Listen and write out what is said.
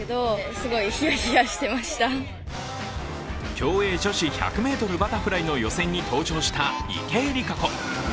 競泳女子１００ｍバタフライの予選に登場した池江璃花子。